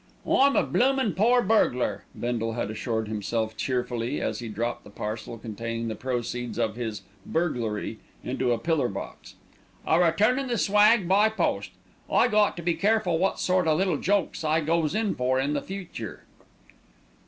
"I'm a bloomin' poor burglar," Bindle had assured himself cheerfully as he dropped the parcel containing the proceeds of his "burglary" into a pillar box, "a returnin' the swag by post. I got to be careful wot sort o' little jokes I goes in for in future."